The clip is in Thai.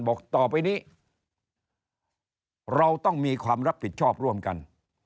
บอกต่อไปนี้เราต้องมีความรับผิดชอบร่วมกัน